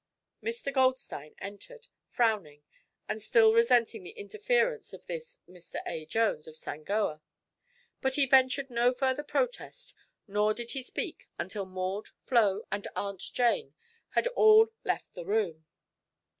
Mr. Goldstein entered, frowning and still resenting the interference of this Mr. A. Jones of Sangoa. But he ventured no further protest nor did he speak until Maud, Flo and Aunt Jane had all left the room.